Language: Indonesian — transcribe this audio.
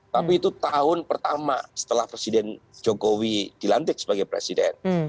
tapi itu tahun pertama setelah presiden jokowi dilantik sebagai presiden